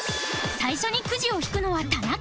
最初にくじを引くのは田中